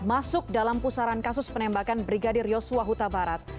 masuk dalam pusaran kasus penembakan brigadir yosua huta barat